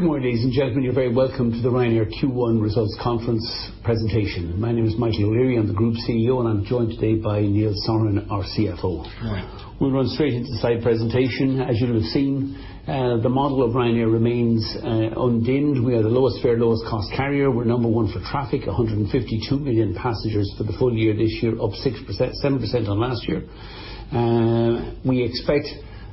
Good morning, ladies and gentlemen. You're very welcome to the Ryanair Q1 results conference presentation. My name is Michael O'Leary, I'm the Group CEO, and I'm joined today by Neil Sorahan, our CFO. Hi. We'll run straight into the slide presentation. As you'll have seen, the model of Ryanair remains undimmed. We are the lowest fare, lowest cost carrier. We're number one for traffic, 152 million passengers for the full year this year, up 7% on last year. We expect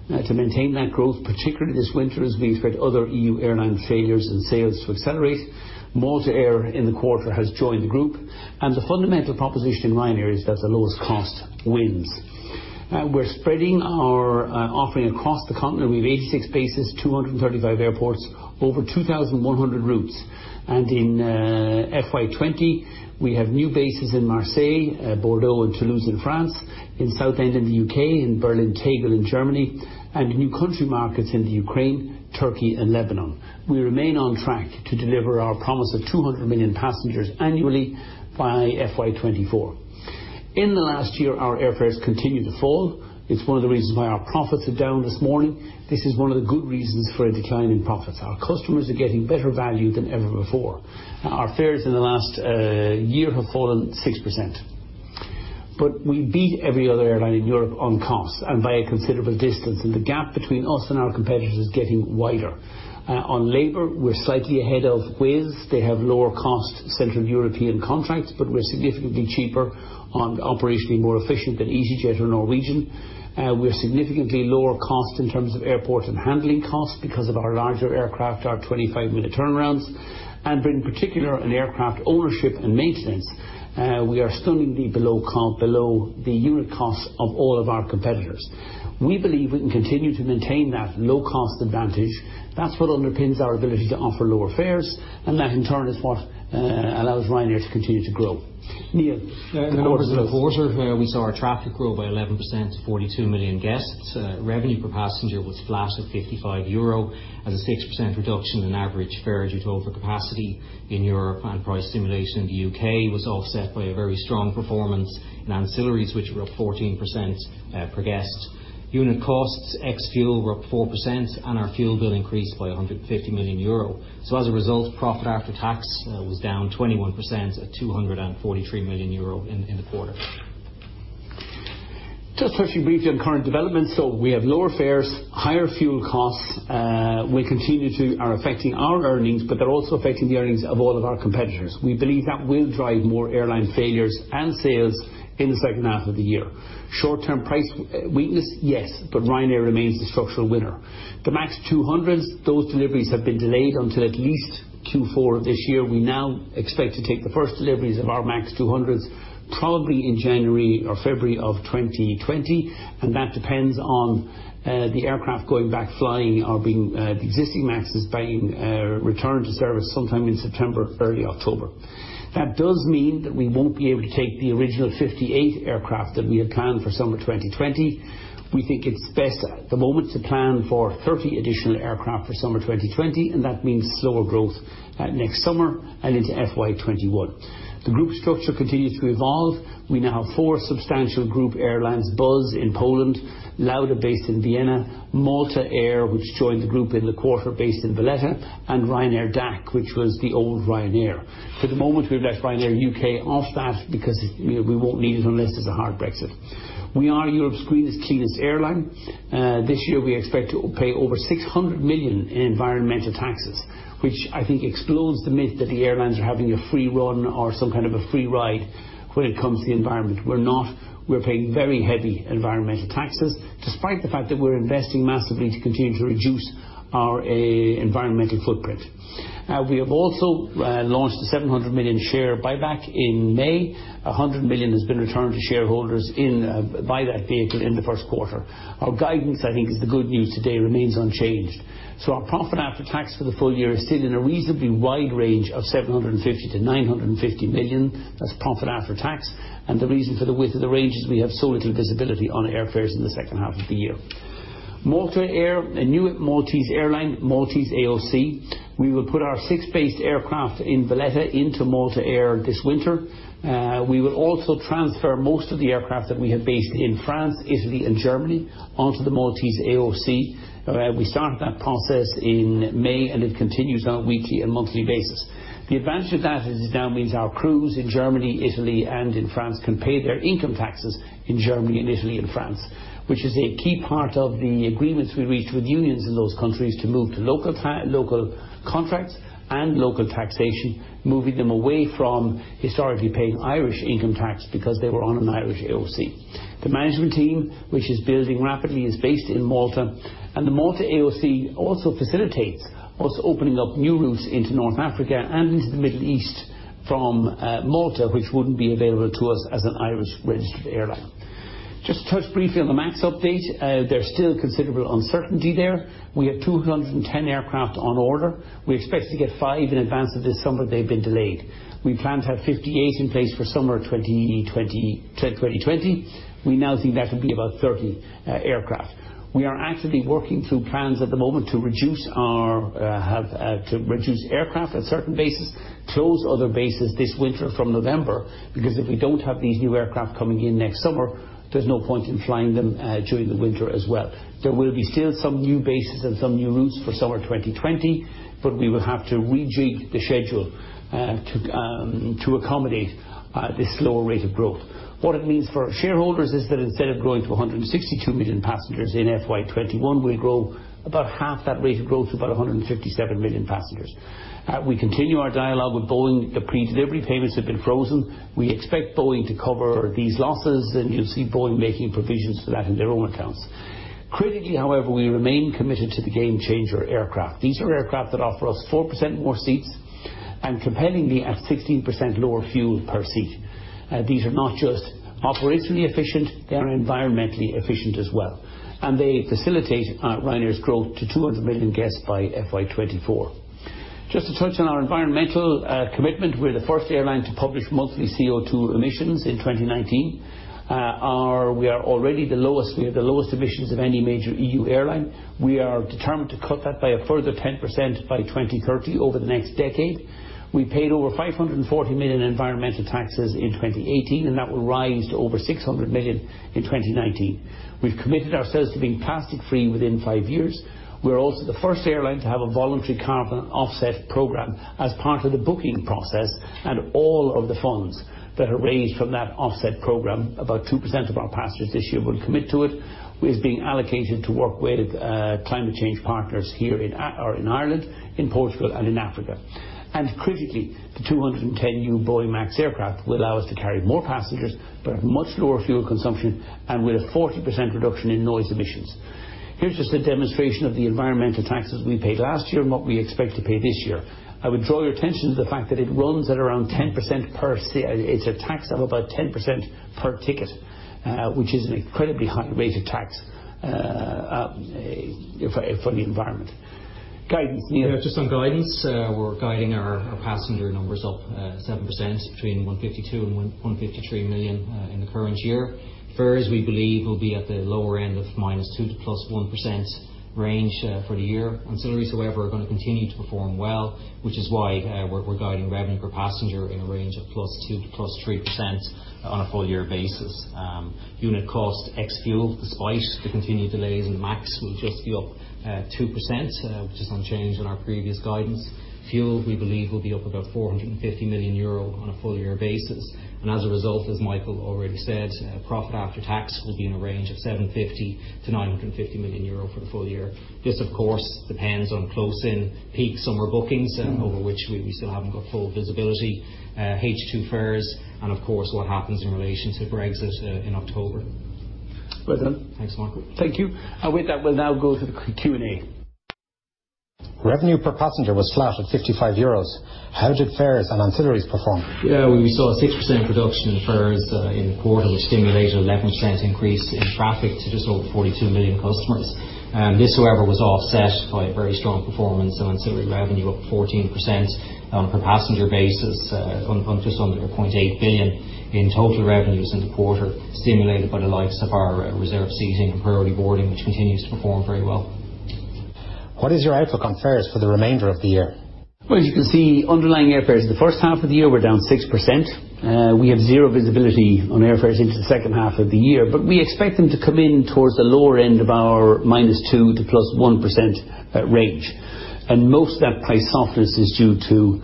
to maintain that growth, particularly this winter, as we expect other EU airline failures and sales to accelerate. Malta Air in the quarter has joined the group, and the fundamental proposition in Ryanair is that the lowest cost wins. We're spreading our offering across the continent. We have 86 bases, 235 airports, over 2,100 routes. In FY 2020, we have new bases in Marseille, Bordeaux, and Toulouse in France, in Southend in the U.K., in Berlin, Tegel in Germany, and new country markets in the Ukraine, Turkey, and Lebanon. We remain on track to deliver our promise of 200 million passengers annually by FY 2024. In the last year, our airfares continued to fall. It's one of the reasons why our profits are down this morning. This is one of the good reasons for a decline in profits. Our customers are getting better value than ever before. Our fares in the last year have fallen 6%. We beat every other airline in Europe on cost, and by a considerable distance, and the gap between us and our competitors is getting wider. On labor, we're slightly ahead of Wizz. They have lower cost central European contracts, but we're significantly cheaper on operationally more efficient than easyJet or Norwegian. We have significantly lower costs in terms of airport and handling costs because of our larger aircraft, our 25-minute turnarounds. In particular, in aircraft ownership and maintenance, we are stunningly below the unit costs of all of our competitors. We believe we can continue to maintain that low-cost advantage. That's what underpins our ability to offer lower fares, and that in turn is what allows Ryanair to continue to grow. Neil. In the quarter, we saw our traffic grow by 11% to 42 million guests. Revenue per passenger was flat at 55 euro, as a 6% reduction in average fare due to overcapacity in Europe and price stimulation in the U.K. was offset by a very strong performance in ancillaries, which were up 14% per guest. Unit costs, ex-fuel, were up 4%, and our fuel bill increased by 150 million euro. As a result, profit after tax was down 21% at 243 million euro in the quarter. Just touching briefly on current developments. We have lower fares, higher fuel costs are affecting our earnings, but they're also affecting the earnings of all of our competitors. We believe that will drive more airline failures and sales in the second half of the year. Short-term price weakness, yes, but Ryanair remains the structural winner. The MAX 200s, those deliveries have been delayed until at least Q4 of this year. We now expect to take the first deliveries of our MAX 200s probably in January or February of 2020, and that depends on the aircraft going back flying or the existing MAXs returning to service sometime in September, early October. That does mean that we won't be able to take the original 58 aircraft that we had planned for summer 2020. We think it's best at the moment to plan for 30 additional aircraft for summer 2020. That means slower growth next summer and into FY 2021. The group structure continues to evolve. We now have four substantial group airlines, Buzz in Poland, Lauda based in Vienna, Malta Air, which joined the group in the quarter based in Valletta, and Ryanair DAC, which was the old Ryanair. For the moment, we've left Ryanair UK off that because we won't need it unless there's a hard Brexit. We are Europe's greenest, cleanest airline. This year, we expect to pay over 600 million in environmental taxes, which I think explodes the myth that the airlines are having a free run or some kind of a free ride when it comes to the environment. We're not. We're paying very heavy environmental taxes, despite the fact that we're investing massively to continue to reduce our environmental footprint. We have also launched a 700 million share buyback in May. 100 million has been returned to shareholders by that vehicle in the first quarter. Our guidance, I think is the good news today, remains unchanged. Our profit after tax for the full year is still in a reasonably wide range of 750 million-950 million. That's profit after tax. The reason for the width of the range is we have so little visibility on airfares in the second half of the year. Malta Air, a new Maltese airline, Maltese AOC. We will put our 6-based aircraft in Valletta into Malta Air this winter. We will also transfer most of the aircraft that we have based in France, Italy, and Germany onto the Maltese AOC. We started that process in May, and it continues on a weekly and monthly basis. The advantage of that is it now means our crews in Germany, Italy, and in France can pay their income taxes in Germany and Italy and France, which is a key part of the agreements we reached with unions in those countries to move to local contracts and local taxation, moving them away from historically paying Irish income tax because they were on an Irish AOC. The management team, which is building rapidly, is based in Malta, and the Malta AOC also facilitates us opening up new routes into North Africa and into the Middle East from Malta, which wouldn't be available to us as an Irish-registered airline. Just to touch briefly on the MAX update. There's still considerable uncertainty there. We have 210 aircraft on order. We expect to get five in advance of this summer. They've been delayed. We planned to have 58 in place for summer 2020. We now think that'll be about 30 aircraft. We are actively working through plans at the moment to reduce aircraft at certain bases, close other bases this winter from November, because if we don't have these new aircraft coming in next summer, there's no point in flying them during the winter as well. There will be still some new bases and some new routes for summer 2020. We will have to rejig the schedule to accommodate this slower rate of growth. What it means for shareholders is that instead of growing to 162 million passengers in FY 2021, we'll grow about half that rate of growth to about 157 million passengers. We continue our dialogue with Boeing. The predelivery payments have been frozen. We expect Boeing to cover these losses, and you'll see Boeing making provisions for that in their own accounts. Critically, however, we remain committed to the Gamechanger aircraft. These are aircraft that offer us 4% more seats and compellingly at 16% lower fuel per seat. These are not just operationally efficient, they are environmentally efficient as well, and they facilitate Ryanair's growth to 200 million guests by FY 2024. Just to touch on our environmental commitment, we're the first airline to publish monthly CO2 emissions in 2019. We have the lowest emissions of any major EU airline. We are determined to cut that by a further 10% by 2030, over the next decade. We paid over 540 million in environmental taxes in 2018, and that will rise to over 600 million in 2019. We've committed ourselves to being plastic free within five years. We're also the first airline to have a voluntary carbon offset program as part of the booking process, all of the funds that are raised from that offset program, about 2% of our passengers this year will commit to it, is being allocated to work with climate change partners here in Ireland, in Portugal and in Africa. Critically, the 210 new Boeing MAX aircraft will allow us to carry more passengers, but at much lower fuel consumption and with a 40% reduction in noise emissions. Here's just a demonstration of the environmental taxes we paid last year and what we expect to pay this year. I would draw your attention to the fact that it runs at around 10% per seat. It's a tax of about 10% per ticket, which is an incredibly high rate of tax for the environment. Guidance, Neil. Yeah, just on guidance, we're guiding our passenger numbers up 7% between 152 million and 153 million in the current year. Fares, we believe, will be at the lower end of -2% to +1% range for the year. Ancillaries, however, are going to continue to perform well, which is why we're guiding revenue per passenger in a range of +2%-+3% on a full year basis. Unit cost ex-fuel, despite the continued delays in MAX, will just be up 2%, which is unchanged in our previous guidance. Fuel, we believe, will be up about 450 million euro on a full year basis. As a result, as Michael already said, profit after tax will be in a range of 750 million-950 million euro for the full year. This, of course, depends on close in peak summer bookings over which we still haven't got full visibility, H2 fares and of course, what happens in relation to Brexit in October. Well done. Thanks, Michael. Thank you. With that, we'll now go to the Q&A. Revenue per passenger was flat at 55 euros. How did fares and ancillaries perform? Yeah, we saw a 6% reduction in fares in the quarter, which stimulated 11% increase in traffic to just over 42 million customers. This however, was offset by a very strong performance on ancillary revenue up 14% on per passenger basis on just under 0.8 billion in total revenues in the quarter, stimulated by the likes of our reserve seating and priority boarding, which continues to perform very well. What is your outlook on fares for the remainder of the year? Well, as you can see, underlying airfares, the first half of the year were down 6%. We have zero visibility on airfares into the second half of the year, but we expect them to come in towards the lower end of our -2% to +1% range. Most of that price softness is due to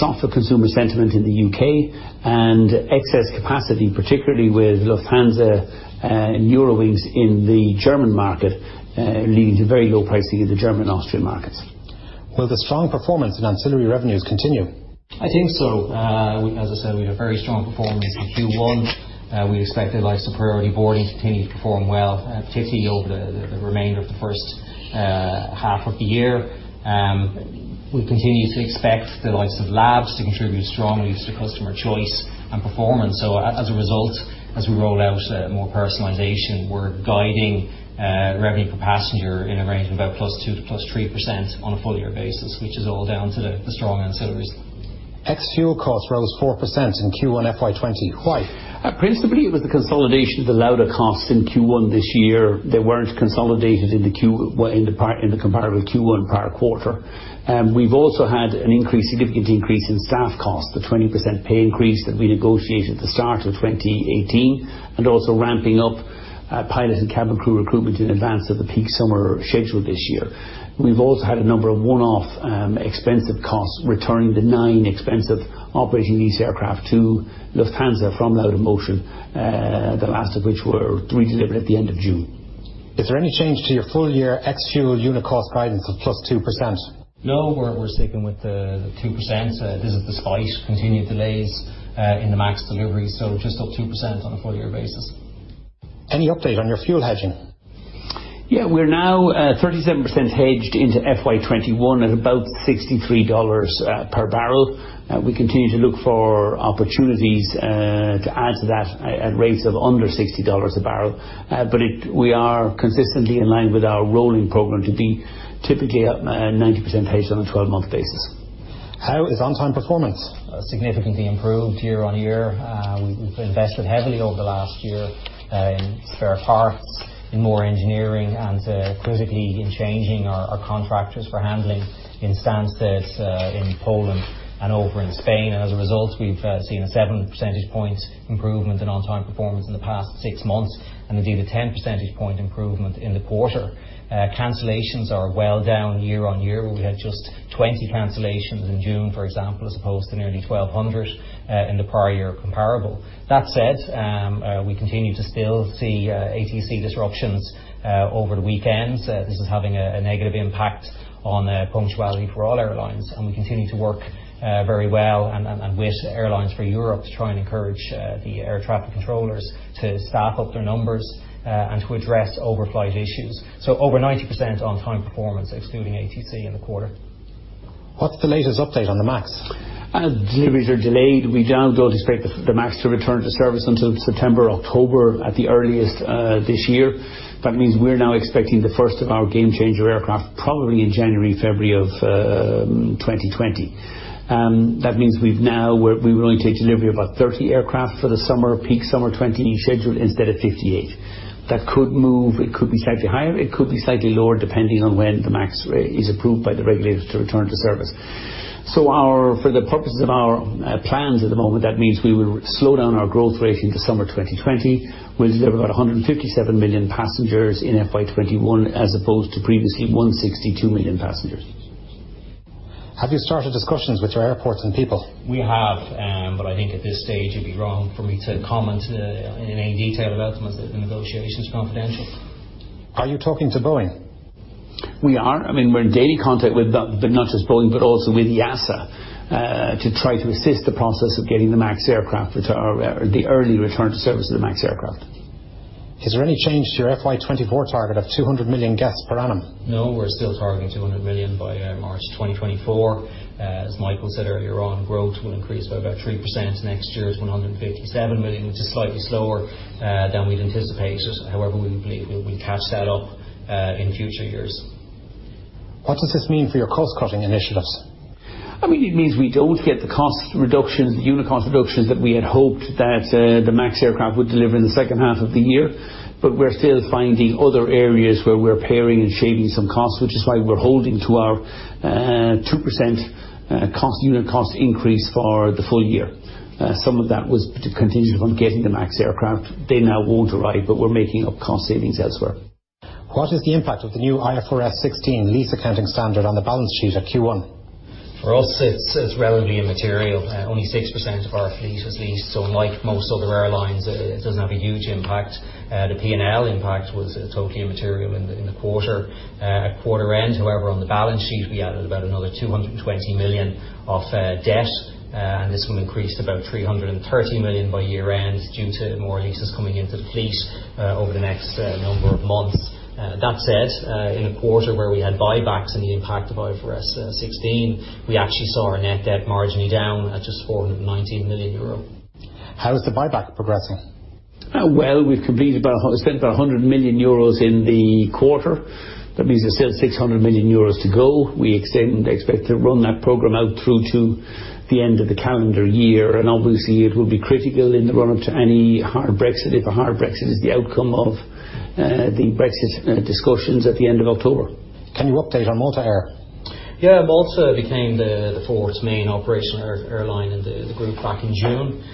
softer consumer sentiment in the U.K. and excess capacity, particularly with Lufthansa and Eurowings in the German market, leading to very low pricing in the German Austrian markets. Will the strong performance in ancillary revenues continue? I think so. As I said, we had a very strong performance in Q1. We expect the likes of priority boarding to continue to perform well, at EUR 50 over the remainder of the first half of the year. We continue to expect the likes of labs to contribute strongly to customer choice and performance. As a result, as we roll out more personalization, we're guiding revenue per passenger in a range of about +2% to +3% on a full year basis, which is all down to the strong ancillaries. Ex-fuel costs rose 4% in Q1 FY 2020. Why? Principally, it was the consolidation of the Lauda cost in Q1 this year. They weren't consolidated in the comparable Q1 prior quarter. We've also had a significant increase in staff costs, the 20% pay increase that we negotiated at the start of 2018, and also ramping up pilot and cabin crew recruitment in advance of the peak summer schedule this year. We've also had a number of one-off expensive costs, returning the nine expensive operating lease aircraft to Lufthansa from Laudamotion, the last of which were redelivered at the end of June. Is there any change to your full year ex-fuel unit cost guidance of +2%? No, we're sticking with the 2%. This is despite continued delays in the MAX delivery, so just up 2% on a full year basis. Any update on your fuel hedging? Yeah. We're now 37% hedged into FY 2021 at about $63 per barrel. We continue to look for opportunities to add to that at rates of under $60 a barrel. We are consistently in line with our rolling program to be typically at 90% hedge on a 12-month basis. How is on time performance? Significantly improved year on year. We've invested heavily over the last year in spare parts, in more engineering, and critically in changing our contractors for handling in Stansted, in Poland and over in Spain. As a result, we've seen a seven percentage points improvement in on time performance in the past six months and indeed, a 10 percentage point improvement in the quarter. Cancellations are well down year on year. We had just 20 cancellations in June, for example, as opposed to nearly 1,200 in the prior year comparable. That said, we continue to still see ATC disruptions over the weekends. This is having a negative impact on punctuality for all airlines. We continue to work very well and with Airlines for Europe to try and encourage the air traffic controllers to staff up their numbers and to address overflight issues. Over 90% on time performance excluding ATC in the quarter. What's the latest update on the MAX? Deliveries are delayed. We now don't expect the MAX to return to service until September, October at the earliest this year. That means we're now expecting the first of our Gamechanger aircraft probably in January, February of 2020. That means we will only take delivery of about 30 aircraft for the peak summer 2020 schedule instead of 58. That could move. It could be slightly higher, it could be slightly lower depending on when the MAX is approved by the regulators to return to service. For the purposes of our plans at the moment, that means we will slow down our growth rate into summer 2020. We'll deliver about 157 million passengers in FY 2021 as opposed to previously 162 million passengers. Have you started discussions with your airports and people? We have, but I think at this stage it'd be wrong for me to comment in any detail about them as the negotiation's confidential. Are you talking to Boeing? We're in daily contact with not just Boeing, but also with EASA, to try to assist the process of the early return to service of the MAX aircraft. Is there any change to your FY 2024 target of 200 million guests per annum? No, we're still targeting 200 million by March 2024. As Michael said earlier on, growth will increase by about 3% next year to 157 million, which is slightly slower than we'd anticipated. However, we believe we'll catch that up in future years. What does this mean for your cost-cutting initiatives? It means we don't get the unit cost reductions that we had hoped that the MAX aircraft would deliver in the second half of the year, but we're still finding other areas where we're pairing and shaving some costs, which is why we're holding to our 2% unit cost increase for the full year. Some of that was contingent on getting the MAX aircraft. They now won't arrive, but we're making up cost savings elsewhere. What is the impact of the new IFRS 16 lease accounting standard on the balance sheet at Q1? For us, it's relatively immaterial. Only 6% of our fleet is leased, so like most other airlines, it doesn't have a huge impact. The P&L impact was totally immaterial in the quarter. At quarter end, however, on the balance sheet, we added about another 220 million of debt, and this will increase to about 330 million by year end due to more leases coming into the fleet over the next number of months. That said, in a quarter where we had buybacks and the impact of IFRS 16, we actually saw our net debt marginally down at just 419 million euro. How is the buyback progressing? Well, we've spent about 100 million euros in the quarter. That means there's still 600 million euros to go. We expect to run that program out through to the end of the calendar year. Obviously it will be critical in the run-up to any Hard Brexit if a Hard Brexit is the outcome of the Brexit discussions at the end of October. Can you update on Malta Air? Malta Air became the fourth main operational airline in the group back in June.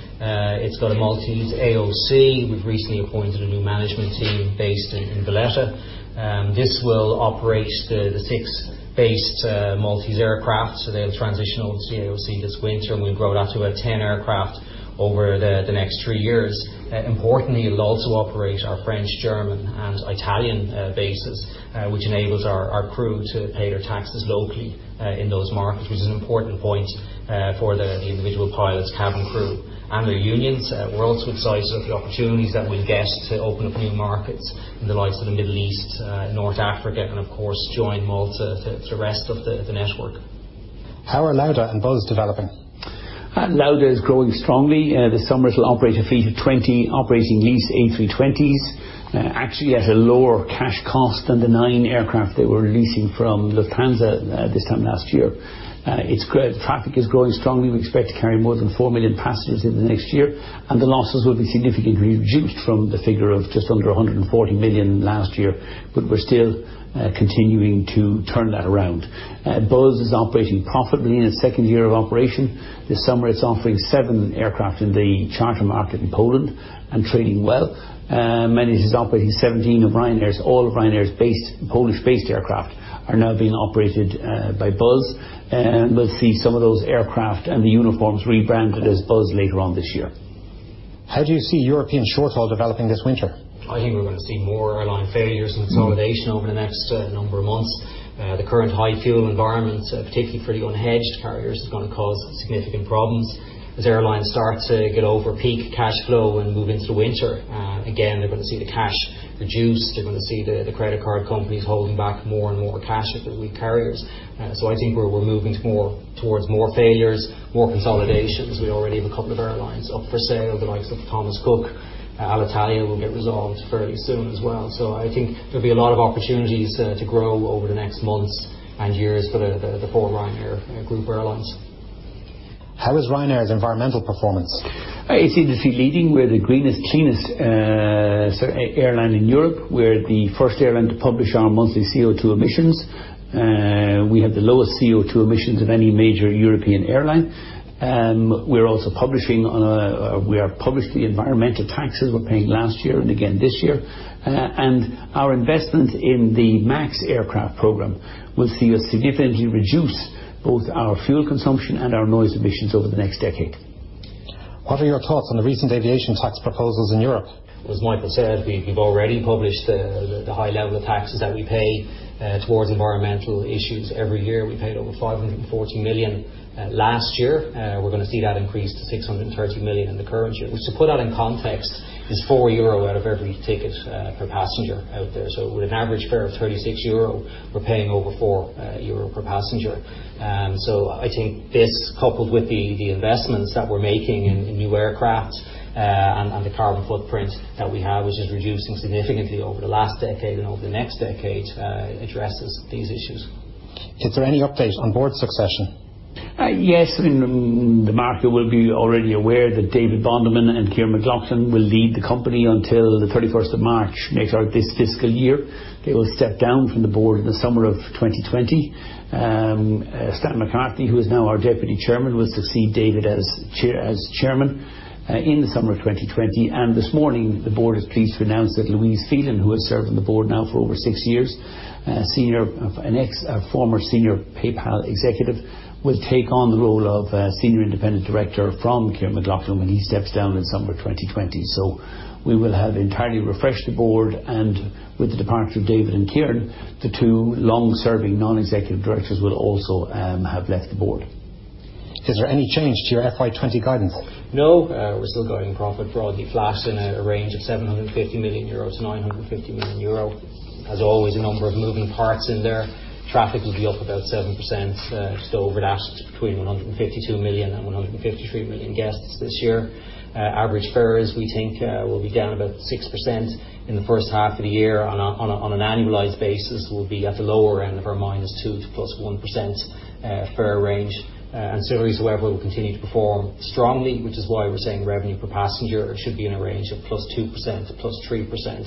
It's got a Maltese AOC. We've recently appointed a new management team based in Valletta. This will operate the six based Maltese aircraft. They'll transition onto the AOC this winter, and we'll grow that to about 10 aircraft over the next three years. Importantly, it'll also operate our French, German, and Italian bases, which enables our crew to pay their taxes locally in those markets, which is an important point for the individual pilots, cabin crew, and their unions. We're also excited at the opportunities that we'll get to open up new markets in the likes of the Middle East, North Africa, and of course, join Malta Air to the rest of the network. How are Lauda and Buzz developing? Lauda is growing strongly. This summer it'll operate a fleet of 20 operating leased A320s, actually at a lower cash cost than the 9 aircraft they were leasing from Lufthansa this time last year. Its traffic is growing strongly. We expect to carry more than 4 million passengers in the next year, and the losses will be significantly reduced from the figure of just under 140 million last year, but we're still continuing to turn that around. Buzz is operating profitably in its second year of operation. This summer it's offering 7 aircraft in the charter market in Poland and trading well. It manages operating 17 of Ryanair's. All of Ryanair's Polish-based aircraft are now being operated by Buzz. We'll see some of those aircraft and the uniforms rebranded as Buzz later on this year. How do you see European short-haul developing this winter? I think we're going to see more airline failures and consolidation over the next number of months. The current high fuel environment, particularly for the unhedged carriers, is going to cause significant problems as airlines start to get over peak cash flow and move into the winter. Again, they're going to see the cash reduced. They're going to see the credit card companies holding back more and more cash with the weak carriers. I think we're moving towards more failures, more consolidation, as we already have a couple of airlines up for sale, the likes of Thomas Cook. Alitalia will get resolved fairly soon as well. I think there'll be a lot of opportunities to grow over the next months and years for the four Ryanair Group airlines. How is Ryanair's environmental performance? It's industry-leading. We're the greenest, cleanest airline in Europe. We're the first airline to publish our monthly CO2 emissions. We have the lowest CO2 emissions of any major European airline. We are publishing the environmental taxes we're paying last year and again this year, and our investment in the MAX aircraft program will see us significantly reduce both our fuel consumption and our noise emissions over the next decade. What are your thoughts on the recent aviation tax proposals in Europe? As Michael said, we've already published the high level of taxes that we pay towards environmental issues every year. We paid over 540 million last year. We're going to see that increase to 630 million in the current year, which, to put that in context, is 4 euro out of every ticket per passenger out there. With an average fare of 36 euro, we're paying over 4 euro per passenger. I think this, coupled with the investments that we're making in new aircraft. The carbon footprint that we have, which has reduced significantly over the last decade and over the next decade, addresses these issues. Is there any update on board succession? Yes. The market will be already aware that David Bonderman and Kyran McLaughlin will lead the company until the 31st of March later this fiscal year. They will step down from the board in the summer of 2020. Stan McCarthy, who is now our Deputy Chairman, will succeed David as Chairman in the summer of 2020. This morning, the board is pleased to announce that Louise Phelan, who has served on the board now for over six years, a former senior PayPal executive, will take on the role of Senior Independent Director from Kyran McLaughlin when he steps down in summer 2020. We will have entirely refreshed the board, and with the departure of David and Kyran, the two long-serving non-executive directors will also have left the board. Is there any change to your FY 2020 guidance? No. We're still guiding profit broadly flat in a range of 750 million euro to 950 million euro. As always, a number of moving parts in there. Traffic will be up about 7%, so over the assets between 152 million and 153 million guests this year. Average fares, we think, will be down about 6% in the first half of the year. On an annualized basis, we'll be at the lower end of our -2% to +1% fare range. Ancillary, however, will continue to perform strongly, which is why we're saying revenue per passenger should be in a range of +2% to +3%.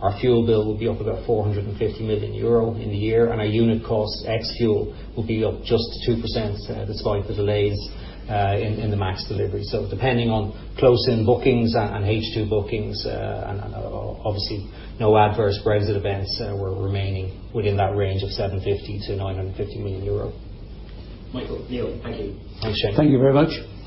Our fuel bill will be up about 450 million euro in the year, our unit cost ex fuel will be up just 2%, despite the delays in the MAX delivery. Depending on close-in bookings and H2 bookings, and obviously no adverse Brexit events, we're remaining within that range of 750 million-950 million euro. Michael, Neil, thank you. Thanks. Thank you very much.